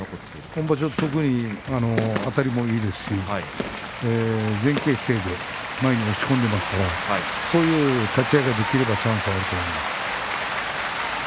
今場所は特にあたりもいいですし前傾姿勢で前に押し込んでいますからそういう立ち合いができればチャンスはあると思います。